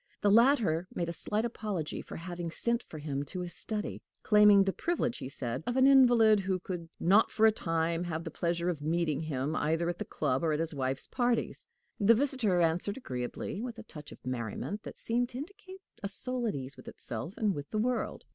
The latter made a slight apology for having sent for him to his study claiming the privilege, he said, of an invalid, who could not for a time have the pleasure of meeting him either at the club or at his wife's parties. The visitor answered agreeably, with a touch of merriment that seemed to indicate a soul at ease with itself and with the world.